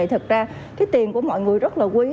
thực ra cái tiền của mọi người rất là quý